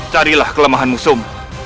carilah kelemahan musuhmu